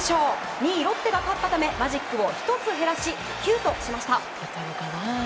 ２位ロッテが勝ったため、マジックを１つ減らし、９としました。